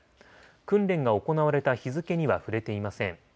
訓練が行われた日付には触れていません。